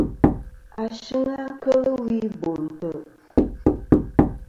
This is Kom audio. Ashɨng a kel wi Bo ntè.